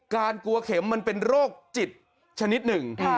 กลัวเข็มมันเป็นโรคจิตชนิดหนึ่ง